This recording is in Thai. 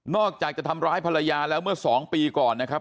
อกจากจะทำร้ายภรรยาแล้วเมื่อ๒ปีก่อนนะครับ